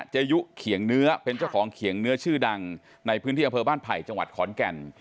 ยุเขียงเนื้อเป็นเจ้าของเขียงเนื้อชื่อดังในพื้นที่อำเภอบ้านไผ่จังหวัดขอนแก่น